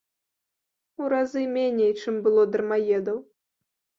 У разы меней, чым было дармаедаў.